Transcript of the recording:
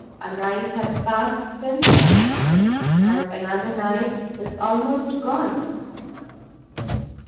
"A night has passed since then," she said, "and another night is almost gone."